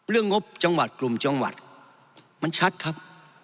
งบจังหวัดกลุ่มจังหวัดมันชัดครับ